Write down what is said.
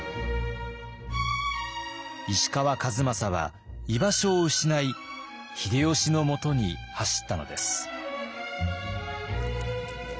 石川数正は居場所を失い秀吉のもとに走ったのです。